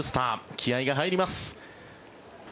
気合が入ります。